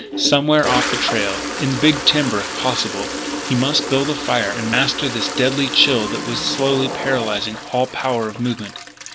Somewhere off the trail, in big timber if possible, he must build a fire and master this deadly chill that was slowly paralysing all power of movement.